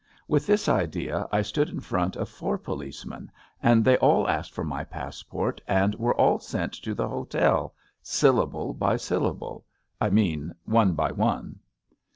With this idea I stood in front of four policemen, and they all asked for my passport and were all sent to the hotel, syllable by syllable — I mean one by one.